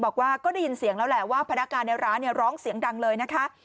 บอกว่าก็ได้ยินเสียงแล้วแหละว่าพนักงานในร้านร้องเสียงดังเลยนะคะ